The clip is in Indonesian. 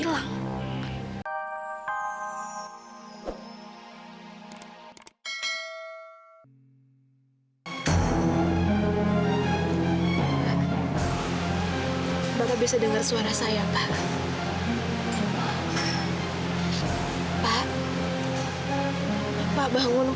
pak bangun pak